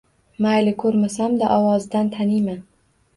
— Mayli, koʻrmasam-da, ovozidan taniyman.